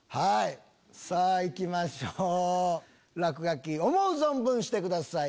さぁ行きましょう落書き思う存分してください。